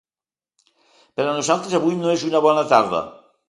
Per a nosaltres avui no és una bona tarda.